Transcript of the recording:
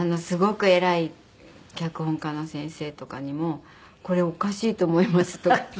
すごく偉い脚本家の先生とかにも「これおかしいと思います」とか。